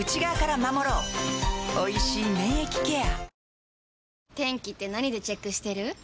おいしい免疫ケア